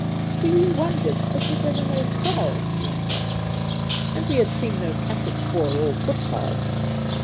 We wondered, because there were no kraals near here, and we had seen no cattle spoor or footpaths.